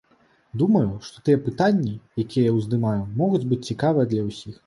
Думаю, што тыя пытанні, якія я ўздымаю, могуць быць цікавыя для ўсіх.